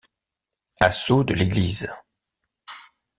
Assaut de l’église.